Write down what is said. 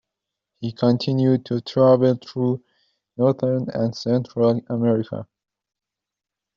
He continued to travel through northern and Central America.